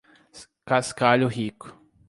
Cascalho Rico